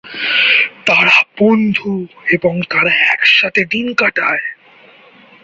তারা বন্ধু এবং তারা একসাথে দিন কাটায়।